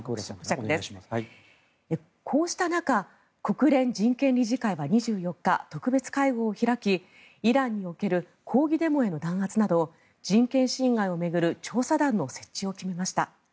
こうした中国連人権理事会は２４日特別会合を開き、イランにおける抗議デモへの弾圧など人権侵害を巡る調査団の設置を決めました。